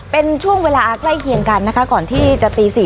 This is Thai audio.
เป็นช่วงเวลาใกล้เคียงกันนะคะก่อนที่จะตี๔